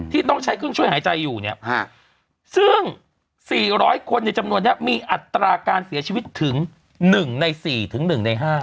ต้องใช้เครื่องช่วยหายใจอยู่เนี่ยซึ่ง๔๐๐คนในจำนวนนี้มีอัตราการเสียชีวิตถึง๑ใน๔ถึง๑ใน๕